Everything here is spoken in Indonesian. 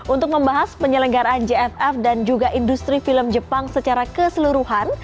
untuk membahas penyelenggaraan jff dan juga industri film jepang secara keseluruhan